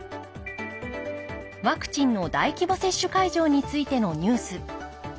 ワクチンの大規模接種会場についてのニュース。